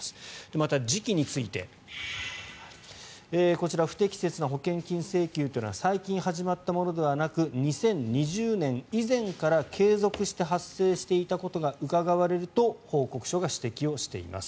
また、時期について、こちら不適切な保険金請求というのは最近始まったものではなく２０２０年以前から継続して発生していたことがうかがわれると報告書が指摘しています。